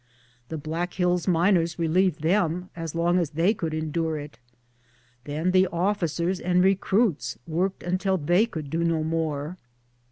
The Black Hills miners relieved them as long as they could endure it ; then the ofiicers and recruits worked until they could do no more.